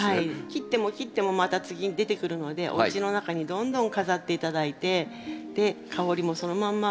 切っても切ってもまた次出てくるのでおうちの中にどんどん飾って頂いてで香りもそのまんま